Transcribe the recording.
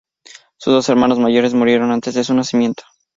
Sus dos hermanos mayores murieron antes de su nacimiento.